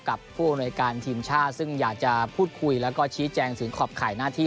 กับผู้อธิบทยาชาซึ่งอยากจะพูดคุยแล้วก็ชี้แจงถึงขอบขายหน้าที่